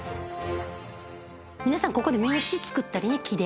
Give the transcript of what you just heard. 皆さんここで名刺作ったりね木で。